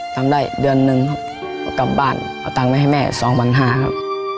ทำได้เดือนหนึ่งครับเอากลับบ้านเอาตังค์ไปให้แม่๒๕๐๐ครับ